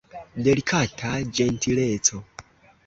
Delikata ĝentileco!